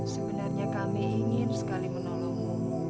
sebenarnya kami ingin sekali menolong